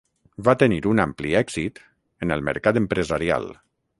Va tenir un ampli èxit en el mercat empresarial.